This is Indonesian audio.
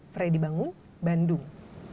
fredy bangun bandung